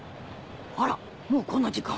あらもうこんな時間。